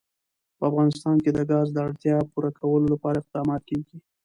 په افغانستان کې د ګاز د اړتیاوو پوره کولو لپاره اقدامات کېږي.